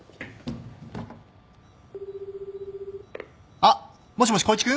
あっもしもし光一君？